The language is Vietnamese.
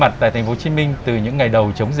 phải ngủ ngồi đưa chú đi